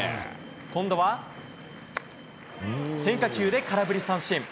今度は、変化球で空振り三振。